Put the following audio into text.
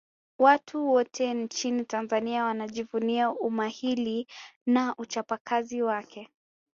watu wote nchini tanzania wanajivunia umahili na uchapakazi wake